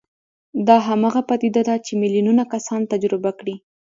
دا هماغه پديده ده چې ميليونونه کسانو تجربه کړې.